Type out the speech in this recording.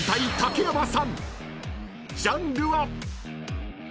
［ジャンルは］